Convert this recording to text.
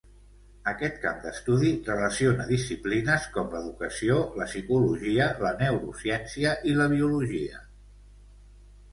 Aquest camp d'estudi relaciona disciplines com l'educació, la psicologia, la neurociència i la biologia.